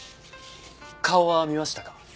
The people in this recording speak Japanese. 顔は見ましたか？